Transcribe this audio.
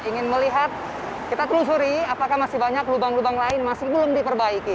ingin melihat kita telusuri apakah masih banyak lubang lubang lain masih belum diperbaiki